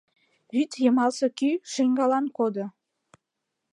Вӱд йымалсе кӱ шеҥгелан кодо.